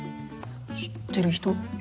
知ってる人？